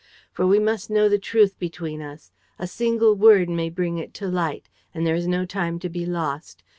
For we must know the truth between us. A single word may bring it to light; and there is no time to be lost.